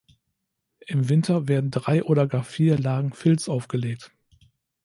Im Winter werden drei oder gar vier Lagen Filz aufgelegt.